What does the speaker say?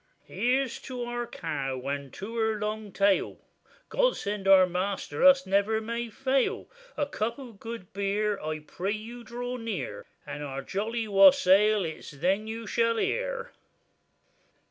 Here's to our cow, and to her long tail, God send our measter us never may fail Of a cup of good beer: I pray you draw near, And our jolly wassail it's then you shall hear.